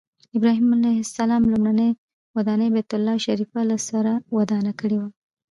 ابراهیم علیه السلام لومړنۍ ودانۍ بیت الله شریفه له سره ودانه کړې وه.